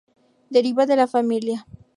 Deriva de la familia.